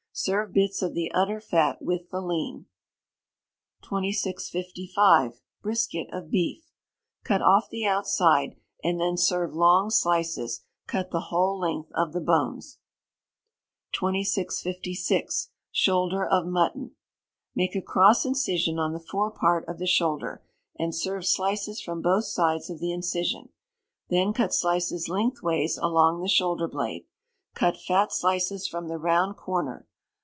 Serve bits of the udder fat with the lean. 2655. Brisket of Beef. Cut off the outside, and then serve long slices, cut the whole length of the bones. 2656. Shoulder of Mutton. Make a cross incision on the fore part of the shoulder, and serve slices from both sides of the incision; then cut slices lengthways along the shoulder blade. Cut fat slices from the round corner.